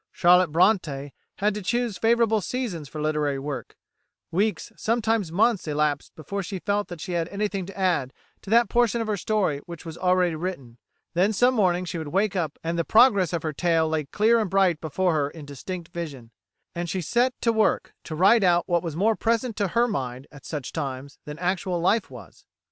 Charlotte Brontë had to choose favourable seasons for literary work "weeks, sometimes months, elapsed before she felt that she had anything to add to that portion of her story which was already written; then some morning she would wake up and the progress of her tale lay clear and bright before her in distinct vision, and she set to work to write out what was more present to her mind at such times than actual life was."